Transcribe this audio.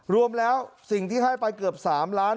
รวมแล้วสิ่งที่ให้ไปเกือบ๓ล้าน